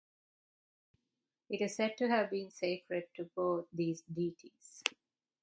It is said to have been sacred to both these deities.